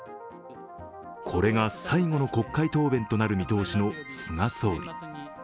これが最後の国会答弁となる見通しの菅総理。